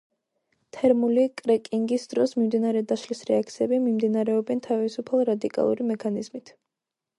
თერმული კრეკინგის დროს მიმდინარე დაშლის რეაქციები მიმდინარეობენ თავისუფალ რადიკალური მექანიზმით.